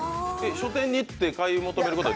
書店に行って買い求めることは？